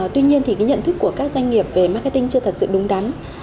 tuy nhiên thì cái nhận thức của các doanh nghiệp về marketing chưa thật sự đúng đắn